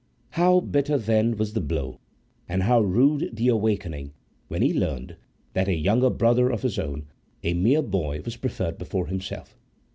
How bitter, then, was the blow, and how rude the awakening when he learned that a younger brother of his own, a mere boy, was preferred before himself!